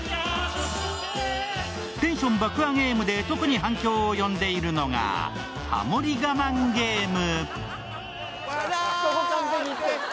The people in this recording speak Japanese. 「テンション爆上げむ」で特に反響を呼んでいるのが「ハモリ我慢ゲーム」。